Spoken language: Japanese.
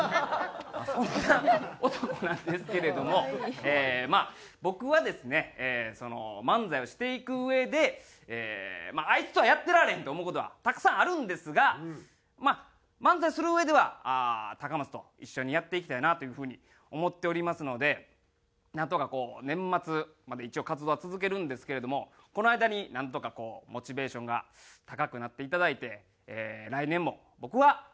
そんな男なんですけれどもまあ僕はですね漫才をしていくうえであいつとはやってられへん！と思う事はたくさんあるんですがまあ漫才するうえでは高松と一緒にやっていきたいなという風に思っておりますのでなんとかこう年末まで一応活動は続けるんですけれどもこの間になんとかこうモチベーションが高くなっていただいて来年も僕は高松と漫才をしていきたいと思います。